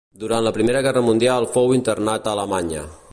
Durant la Primera Guerra Mundial fou internat a Alemanya.